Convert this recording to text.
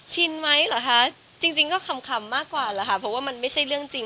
ไหมเหรอคะจริงก็ขำมากกว่าแหละค่ะเพราะว่ามันไม่ใช่เรื่องจริง